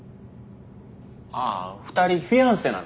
あぁ２人フィアンセなんだよ。